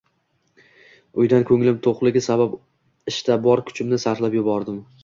Uydan ko'nglim to'qligi sabab ishda bor kuchimni sarflab ishlardim